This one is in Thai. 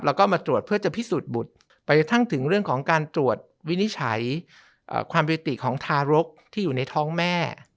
แล้วก็มาตรวจเพื่อจะพิสูจน์บุตรไปทั้งถึงเรื่องของการตรวจวินิจฉัยความยุติของทารกที่อยู่ในท้องแม่